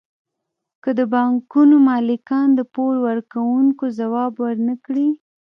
که د بانکونو مالکان د پور ورکوونکو ځواب ورنکړي